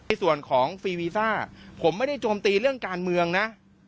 ส่วนของฟรีวีซ่าผมไม่ได้โจมตีเรื่องการเมืองนะ